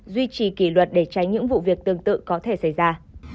duy trì kỷ luật để tránh những vụ việc tương tự có thể xảy ra